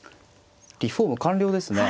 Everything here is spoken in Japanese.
リフォーム完了ですね。